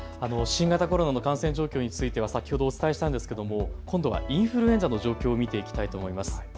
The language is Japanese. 新型コロナの感染状況については先ほどお伝えしたんですけども今度はインフルエンザの状況を見ていきたいと思います。